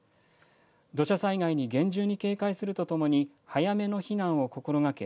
土砂災害に厳重に警戒するとともに、早めの避難を心がけ、